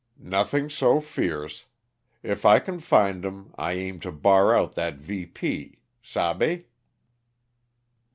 "Nothing so fierce. If I can find 'em, I aim to bar out that VP. Sabe?"